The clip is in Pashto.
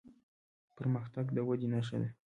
پرمختګ د ودې نښه ده.